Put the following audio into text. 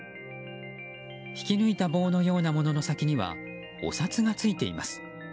引き抜いた棒のようなものの先にはお札がついています。